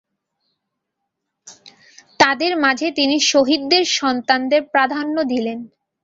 তাঁদের মাঝে তিনি শহীদদের সন্তানদের প্রাধান্য দিলেন।